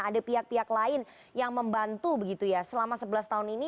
ada pihak pihak lain yang membantu begitu ya selama sebelas tahun ini